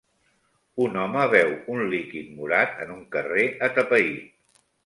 Un home beu un líquid morat en un carrer atapeït.